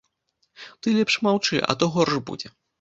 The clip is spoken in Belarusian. Ты лепш маўчы, а то горш будзе.